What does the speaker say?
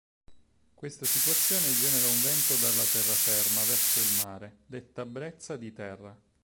Questa situazione genera un vento dalla terraferma verso il mare, detta brezza di terra.